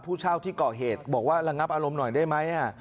ผู้เช่าที่เกาะเหตุบอกว่าระงับอารมณ์หน่อยได้ไหม